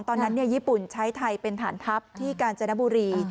ตอนนั้นญี่ปุ่นใช้ไทยเป็นฐานทัพที่กาญจนบุรี